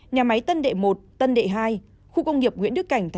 nhà máy tân đệ một tân đệ hai